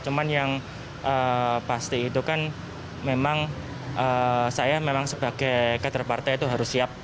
cuman yang pasti itu kan memang saya memang sebagai kader partai itu harus siap